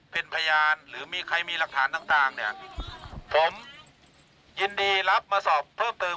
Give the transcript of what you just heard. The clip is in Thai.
เป็นพยานหรือใครมีหลักฐานต่างผมยินดีรับมาสอบเพิ่มเติม